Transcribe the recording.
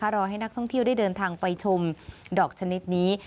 รอให้นักท่องเที่ยวได้เดินทางไปชมดอกชนิดนี้